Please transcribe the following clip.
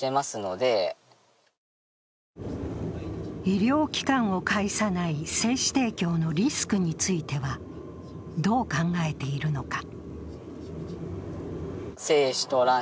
医療機関を介さない精子提供のリスクについてはどう考えているのか？